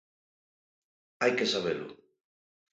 Hai que sabelo.